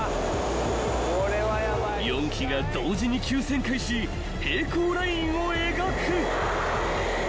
［４機が同時に急旋回し平行ラインを描く］